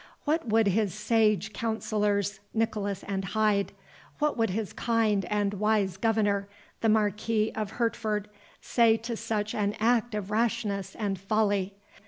What would his sage counsellors, Nicholas and Hyde—what would his kind and wise governor, the Marquis of Hertford, say to such an act of rashness and folly?